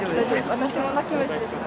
私も泣き虫です。